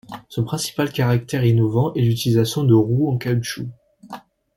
Son principal caractère innovant est l'utilisation de roues en caoutchouc.